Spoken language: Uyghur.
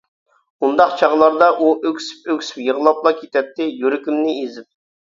ئۇنداق چاغلاردا ئۇ ئۆكسۈپ-ئۆكسۈپ يىغلاپلا كېتەتتى، يۈرىكىمنى ئېزىپ.